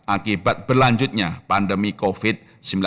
akibat berlanjutnya pandemi covid sembilan belas